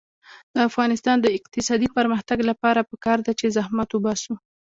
د افغانستان د اقتصادي پرمختګ لپاره پکار ده چې زحمت وباسو.